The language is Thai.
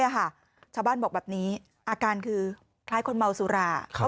ชาวบ้านบอกแบบนี้อาการคือคล้ายคนเมาสุรา